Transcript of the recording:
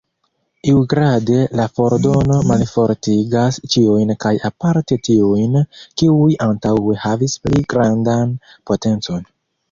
Iugrade, la fordono malfortigas ĉiujn kaj aparte tiujn, kiuj antaŭe havis pli grandan potencon.